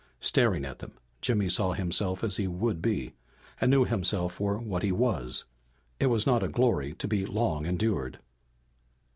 Staring at them, Jimmy saw himself as he would be, and knew himself for what he was. It was not a glory to be long endured.